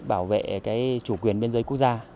bảo vệ cái chủ quyền biên giới quốc gia